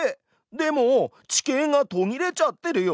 でも地形がとぎれちゃってるよ。